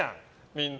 みんな。